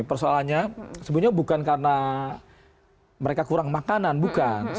persoalannya sebenarnya bukan karena mereka kurang makanan bukan